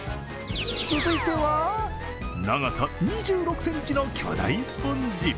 続いては、長さ２６ｃｍの巨大スポンジ。